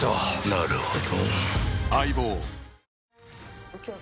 なるほど。